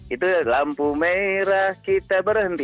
itu lampu merah kita berhenti